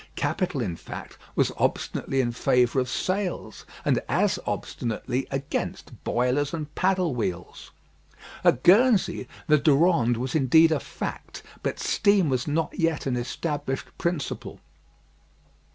Capital, in fact, was obstinately in favour of sails, and as obstinately against boilers and paddle wheels. At Guernsey, the Durande was indeed a fact, but steam was not yet an established principle.